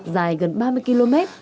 dài gần ba mươi km